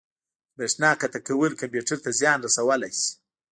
د بریښنا قطع کول کمپیوټر ته زیان رسولی شي.